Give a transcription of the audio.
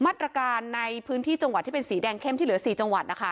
มาตรการในพื้นที่จังหวัดที่เป็นสีแดงเข้มที่เหลือ๔จังหวัดนะคะ